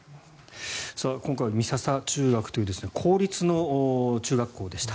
今回、美笹中学校という公立の中学校でした。